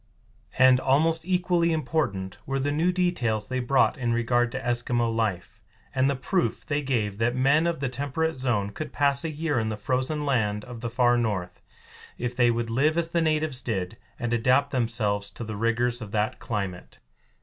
And almost equally important were the new details they brought in regard to Eskimo life, and the proof they gave that men of the temperate zone could pass a year in the frozen land of the far north if they would live as the natives did, and adapt themselves to the rigors of that climate.